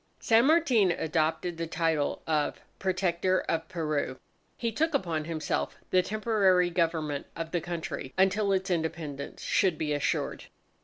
_ San Martin adopted the title of "Protector of Peru." He took upon himself the temporary government of the country until its Independence should be assured.